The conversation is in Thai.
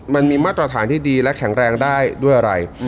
มาตรฐานที่ดีและแข็งแรงได้ด้วยอะไร